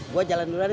gue jalan dulu aja ya